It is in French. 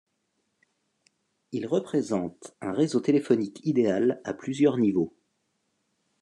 Il représente un réseau téléphonique idéal à plusieurs niveaux.